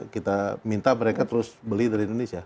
kita minta mereka terus beli dari indonesia